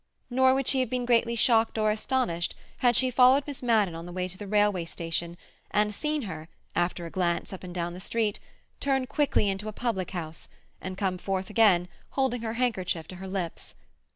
Nor would she have been greatly shocked or astonished had she followed Miss Madden on the way to the railway station and seen her, after a glance up and down the street, turn quickly into a public house, and come forth again holding her handkerchief to her lips.